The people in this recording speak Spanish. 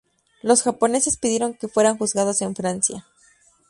Los japoneses pidieron que fueran juzgados en Francia.